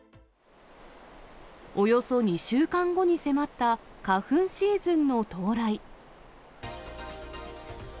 およそ２週間後に迫った花粉シーズンの到来。